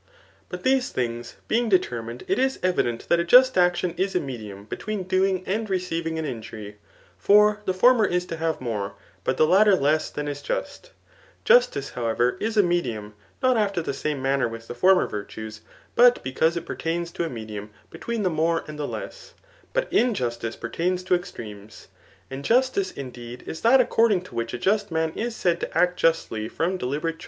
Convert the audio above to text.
• But these things beii^ determined, it is eni&M that a jil^ actiim is a medium between doing and receiving an injury ^ for the former b to have more, but the latter less [than is just*3 Justice, however, is a medium,^ not after the same manner with the former virtues^ but be cause it pi^ains to a mediutft ' [between the more and the less ;] but injustice pertaiiis tt> extremes. And jus« tic^ indeed, is that according to which a just man is said to act justly from deliberate.